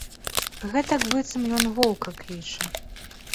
Гэтак быццам ён воўка кліча.